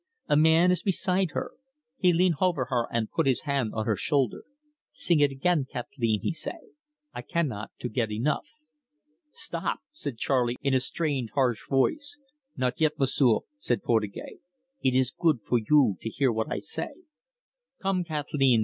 A man is beside her. He lean hover her an' put his hand on her shoulder. 'Sing it again, Kat'leen,' he say. 'I cannot to get enough.'" "Stop!" said Charley, in a strained, harsh voice. "Not yet, M'sieu'," said Portugais. "It is good for you to hear what I say." "'Come, Kat'leen!